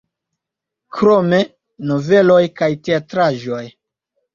Krome noveloj kaj teatraĵoj.